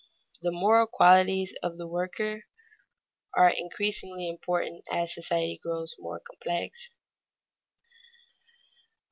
_The moral qualities of the worker are increasingly important as society grows more complex.